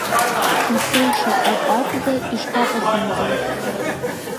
Исылшо ак акәзар, ишԥаҟасымҵои…